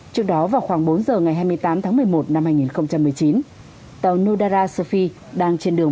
trước đó vào khoảng bốn giờ ngày hai mươi tám tháng một mươi một năm hai nghìn một mươi chín tàu nodara sofie đang trên đường